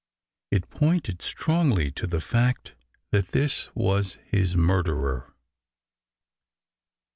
It pointed strongly to the fact that this was his murderer.